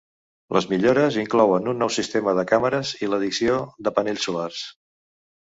Les millores inclouen un nou sistema de càmeres i l'addició de panells solars.